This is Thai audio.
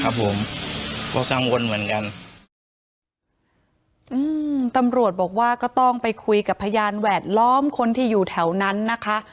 ผมก็กังวลเหมือนกันอืมตำรวจบอกว่าก็ต้องไปคุยกับพยานแวดล้อมคนที่อยู่แถวนั้นนะคะ